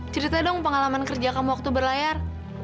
cerita dong pengalaman kerja kamu waktu berlayar